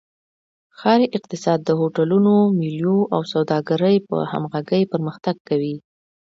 ښاري اقتصاد د هوټلونو، میلو او سوداګرۍ په همغږۍ پرمختګ کوي.